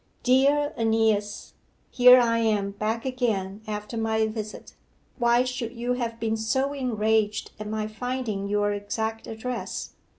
'DEAR AENEAS, Here I am back again after my visit. Why should you have been so enraged at my finding your exact address?